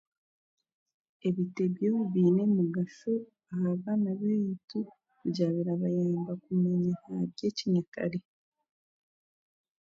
ebitebyo biine omugasho aha baana baitu kugira birabayamba kumanya aha by'ekinyakare